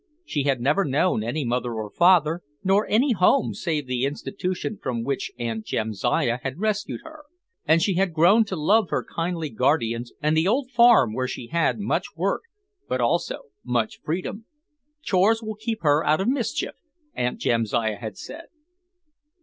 She had never known any mother or father, nor any home save the institution from which Aunt Jamsiah had rescued her, and she had grown to love her kindly guardians and the old farm where she had much work but also much freedom. "Chores will keep her out of mischief," Aunt Jamsiah had said.